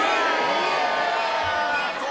うわ！